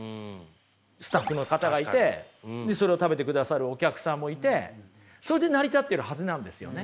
スタッフの方がいてそれを食べてくださるお客さんもいてそれで成り立っているはずなんですよね。